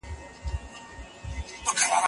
د خاوند حقوق د ميرمني تر حقوقو ولي لوړ دي؟